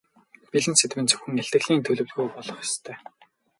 Бэлэн сэдэв нь зөвхөн илтгэлийн төлөвлөгөө болох ёстой.